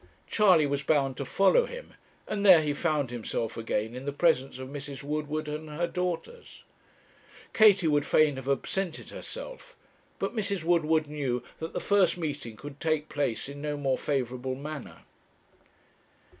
Charley was bound to follow him, and there he found himself again in the presence of Mrs. Woodward and her daughters. Katie would fain have absented herself, but Mrs. Woodward knew that the first meeting could take place in no more favourable manner.